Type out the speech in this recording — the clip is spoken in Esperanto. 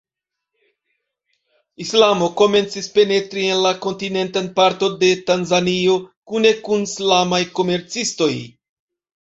Islamo komencis penetri en la kontinentan parton de Tanzanio kune kun islamaj komercistoj.